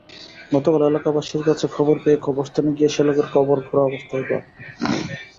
গতকাল এলাকাবাসীর কাছে খবর পেয়ে কবরস্থানে গিয়ে শ্যালকের কবর খোঁড়া অবস্থায় পান।